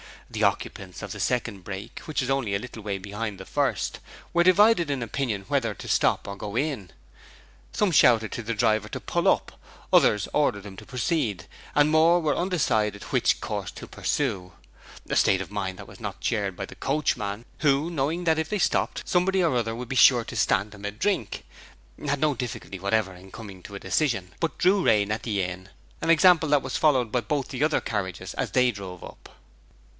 The occupants of the second brake, which was only a little way behind the first, were divided in opinion whether to stop or go on. Some shouted out to the driver to pull up, others ordered him to proceed, and more were undecided which course to pursue a state of mind that was not shared by the coachman, who, knowing that if they stopped somebody or other would be sure to stand him a drink, had no difficulty whatever in coming to a decision, but drew rein at the inn, an example that was followed by both the other carriages as they drove up.